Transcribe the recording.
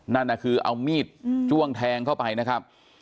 นั่นน่ะคือเอามีดจ้วงแทงเข้าไปนะครับ